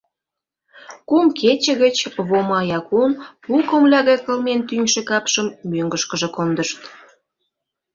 Кум кече гыч Вома Якун пу комыля гай кылмен тӱҥшӧ капшым мӧҥгышкыжӧ кондышт.